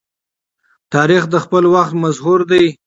تاریخ د خپل وخت مظهور دی.